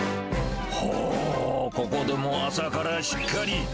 ほぉ、ここでも朝からしっかり。